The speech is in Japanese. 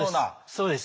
そうです。